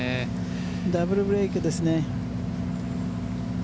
ダブルブレイクですね。